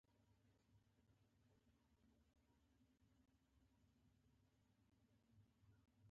زه په سلګونه کسانو کې خپله وینه له لرې پېژنم.